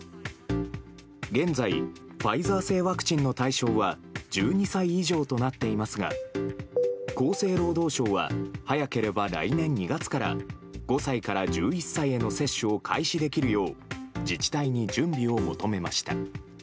現在、ファイザー製ワクチンの対象は１２歳以上となっていますが、厚生労働省は、早ければ来年２月から、５歳から１１歳への接種を開始できるよう、自治体に準備を求めました。